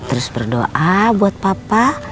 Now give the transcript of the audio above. terus berdoa buat papa